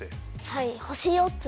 はい。